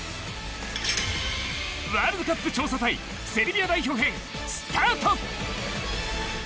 ワールドカップ調査隊セルビア代表編、スタート！